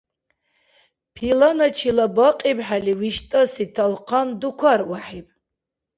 Пиланачила бакьибхӀели виштӀаси талхъан дукарвяхӀиб